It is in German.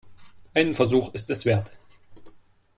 Einen Versuch ist es wert.